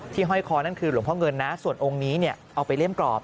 ห้อยคอนั่นคือหลวงพ่อเงินนะส่วนองค์นี้เอาไปเล่มกรอบ